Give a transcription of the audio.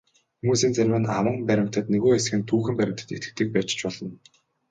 Хүмүүсийн зарим нь аман баримтад, нөгөө хэсэг нь түүхэн баримтад итгэдэг байж ч болно.